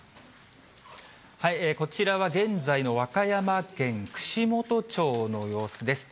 こちらは現在の和歌山県串本町の様子です。